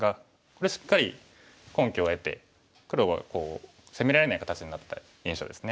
これしっかり根拠を得て黒は攻められない形になった印象ですね。